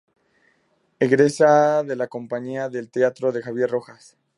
Egresa de la compañía de teatro de Javier Rojas.